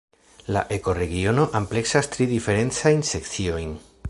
La ekoregiono ampleksas tri diferencajn sekciojn.